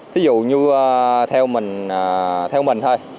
thí dụ như theo mình thôi